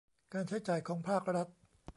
การใช้จ่ายของภาครัฐ